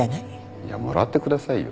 いやもらってくださいよ。